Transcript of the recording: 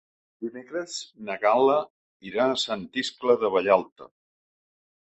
Dimecres na Gal·la irà a Sant Iscle de Vallalta.